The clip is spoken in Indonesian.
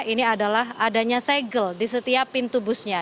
ini adalah adanya segel di setiap pintu busnya